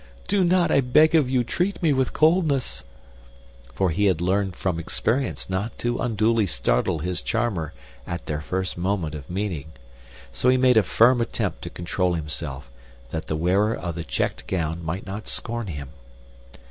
Do not, I beg of you, treat me with coldness!" For he had learned from experience not to unduly startle his charmer at their first moment of meeting; so he made a firm attempt to control himself, that the wearer of the checked gown might not scorn him.